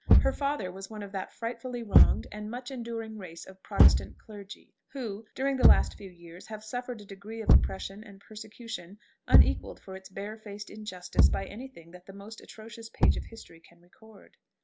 Her father was one of that frightfully wronged and much enduring race of Protestant clergy, who, during the last few years, have suffered a degree of oppression and persecution unequalled for its barefaced injustice by any thing that the most atrocious page of history can record.